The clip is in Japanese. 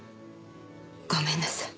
ごめんなさい。